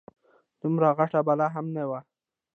دومره غټه بلا هم نه وه.